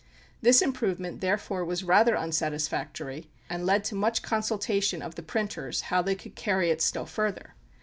This improvement therefore was rather unsatisfactory, and led to much consultation of the printers how they could carry it still further.